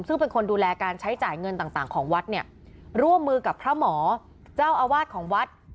ซึ่งเป็นคนดูแลการใช้จ่ายเงินต่างต่างของวัดเนี่ยร่วมมือกับพระหมอเจ้าอาวาสของวัด